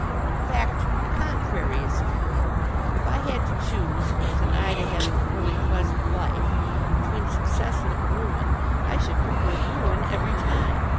In fact the contrary is true. If I had to choose with an eye to having a really pleasant life between success and ruin, I should prefer ruin every time.